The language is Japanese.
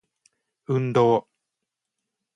運動